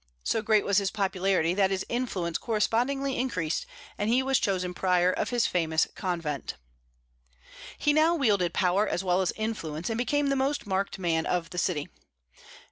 So great was his popularity, that his influence correspondingly increased and he was chosen prior of his famous convent. He now wielded power as well as influence, and became the most marked man of the city.